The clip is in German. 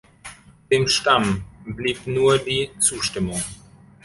Dem Stamm blieb nur die Zustimmung.